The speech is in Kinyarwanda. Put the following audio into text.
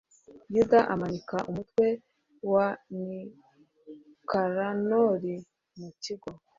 yuda amanika umutwe wa nikanori mu kigo